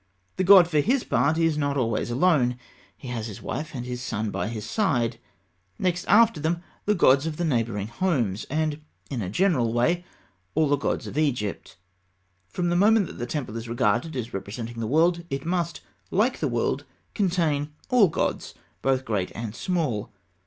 The god, for his part, is not always alone. He has his wife and his son by his side; next after them the gods of the neighbouring homes, and, in a general way, all the gods of Egypt. From the moment that the temple is regarded as representing the world, it must, like the world, contain all gods, both great and small.